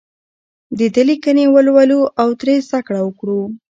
د ده لیکنې ولولو او ترې زده کړه وکړو.